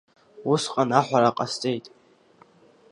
Усҟан аҳәара ҟасҵеит…